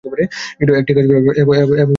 একটি কাজ করো এবং সেটা সম্পর্কে ভুলে যাও।